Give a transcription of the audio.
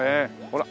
ほら。